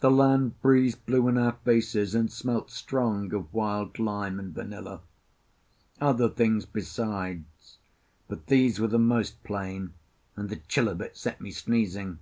The land breeze blew in our faces, and smelt strong of wild lime and vanilla: other things besides, but these were the most plain; and the chill of it set me sneezing.